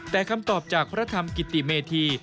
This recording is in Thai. แต่คำตอบจากพระธรรมกิติเมธี